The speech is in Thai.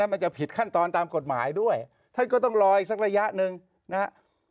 มันจะผิดขั้นตอนตามกฎหมายด้วยท่านก็ต้องรออีกสักระยะหนึ่งนะครับ